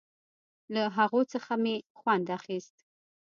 له هغو څخه مې خوند اخيست.